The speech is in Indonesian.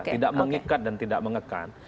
tidak mengikat dan tidak mengekan